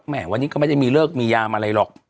วันนี้ก็ไม่ได้มีเลิกมียามอะไรหรอก